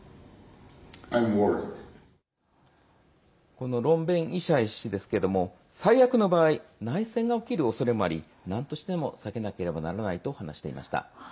このロン・ベンイシャイ氏ですが最悪の場合内戦が起きるおそれもありなんとしても避けなければならないと話していました。